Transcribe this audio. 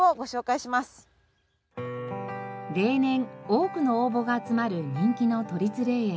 例年多くの応募が集まる人気の都立霊園。